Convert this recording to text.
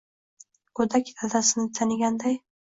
Go‘dak dadasini taniganday.